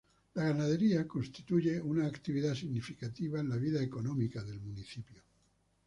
La ganadería constituye una actividad significativa en la vida económica del municipio.